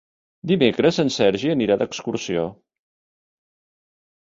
Dimecres en Sergi anirà d'excursió.